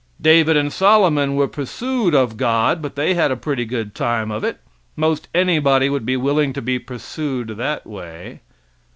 David and Solomon were pursued of God, but they had a pretty good time of it. Most anybody would be willing to be pursued that way.